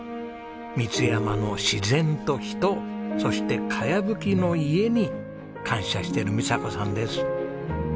三ツ山の自然と人そして茅葺きの家に感謝してる美佐子さんです。